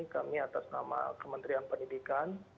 kami atas nama kementerian pendidikan